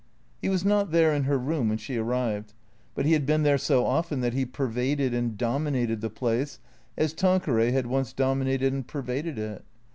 He was not there, in her room, when she arrived. But he had been there so often that he pervaded and dominated the place, as Tanqueray had once dominated and pervaded it.